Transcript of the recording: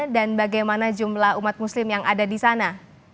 dan bagaimana jumlah umat muslim yang ada disana